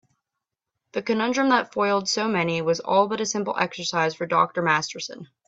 The conundrum that foiled so many was all but a simple exercise for Dr. Masterson.